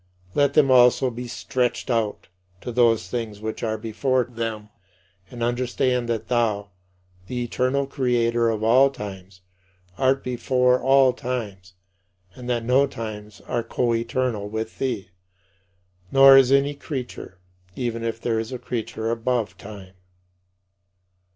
Let them also be stretched out to those things which are before them, and understand that thou, the eternal Creator of all times, art before all times and that no times are coeternal with thee; nor is any creature, even if there is a creature "above time."